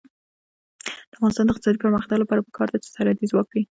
د افغانستان د اقتصادي پرمختګ لپاره پکار ده چې سرحدي ځواک وي.